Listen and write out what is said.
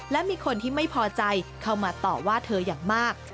และมีคนที่ไม่พอใจเข้ามาต่อว่าเธออย่างมาก